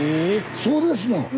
そうですの！